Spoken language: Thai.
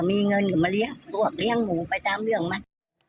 มีเงินก็มาเลี้ยงพวกเลี้ยงหมูไปตามเรื่องมัน